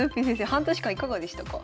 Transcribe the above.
半年間いかがでしたか？